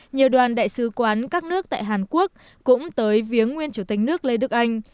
nhiều đoàn đại sứ quán các nước tại hàn quốc cũng tới viếng nguyên chủ tịch nước lê đức anh